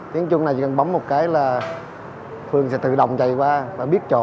tiếng chuông này chỉ cần bấm một cái là phường sẽ tự động chạy qua và biết chỗ